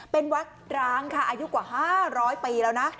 เป็นวัดร้างค่ะอายุกว่า๕๐๐ปีแล้วนะ